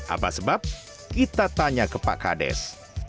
apa sebab kita tanya ke pak kades